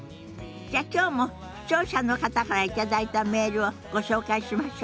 じゃきょうも視聴者の方から頂いたメールをご紹介しましょうか。